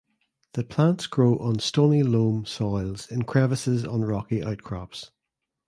The plants grow on stony loam soils in crevices on rocky outcrops.